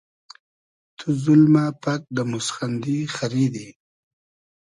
تو زولمۂ پئگ دۂ موسخیندی خئریدی